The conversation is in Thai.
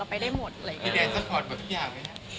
พี่แดนจะพอร์ทแบบอยากไหม